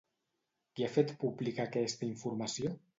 Qui ha fet pública aquesta informació?